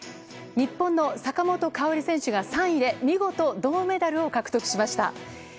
日本の坂本花織選手が３位で見事銅メダルを獲得しました。